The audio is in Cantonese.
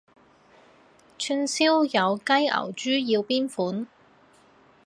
串燒有雞牛豬要邊款？